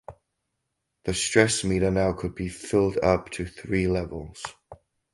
The Stress meter now could be filled up to three levels.